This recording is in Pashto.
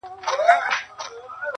ه ته خپه د ستړي ژوند له شانه نه يې,